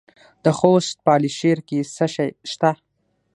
د خوست په علي شیر کې څه شی شته؟